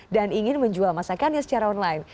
dan ingin menjual masakannya secara online